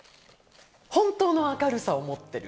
本当の明るさを持ってる。